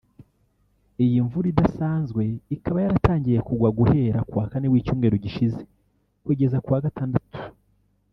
Iyi mvura idasanzwe ikaba yaratangiye kugwa guhera ku wa kane w’ icyumweru gishize kugeza ku wa gatandatu